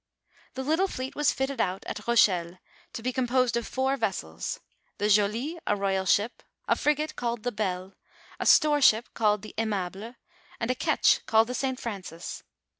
The little fleet was fitted out at RocheUe, to be composed of four vessels — the Joly, a royal ship, a frigate called the Belle, a storeship called the AimaWe, and a ketch called the St. Francis.